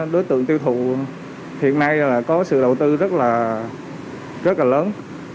đối tượng tiêu thụ hiện nay là có sự đầu tư rất là lớn